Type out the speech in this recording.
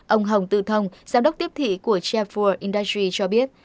ông hồng tự thông giám đốc tiếp thị của chef for industry cho biết